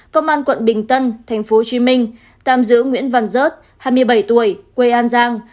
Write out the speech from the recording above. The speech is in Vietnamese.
công an quận bình tân tp hcm tạm giữ nguyễn văn rớt hai mươi bảy tuổi quê an giang